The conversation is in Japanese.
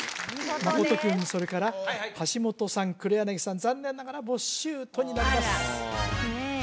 真君にそれから橋本さん黒柳さん残念ながらボッシュートになりますねえ？